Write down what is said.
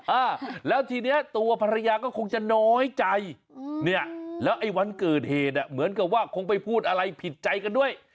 อ่าแล้วทีเนี้ยตัวภรรยาก็คงจะน้อยใจอืมเนี่ยแล้วไอ้วันเกิดเหตุอ่ะเหมือนกับว่าคงไปพูดอะไรผิดใจกันด้วย